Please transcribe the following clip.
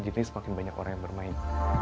jadi semakin banyak orang yang bermain